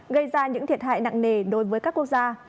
gây ra những thiệt hại nặng nề đối với các quốc gia